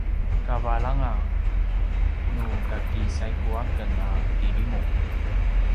kavalanga nukaki saigu aken a kirimu